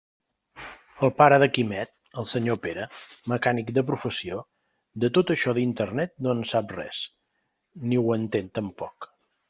El pare de Quimet, el senyor Pere, mecànic de professió, de tot això d'Internet no en sap res, ni ho entén tampoc.